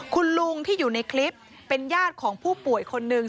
คุณลุงที่อยู่ในคลิปเป็นญาติของผู้ป่วยคนหนึ่ง